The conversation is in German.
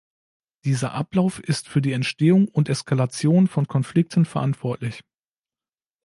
Dieser Ablauf ist für die Entstehung und Eskalation von Konflikten verantwortlich.